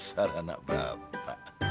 dasar anak bapak